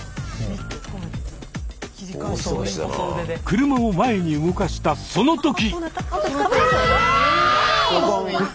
車を前に動かしたその時。